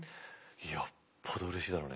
よっぽどうれしいだろうね。